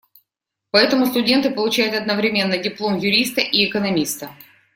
Поэтому студенты получают одновременно диплом юриста и экономиста.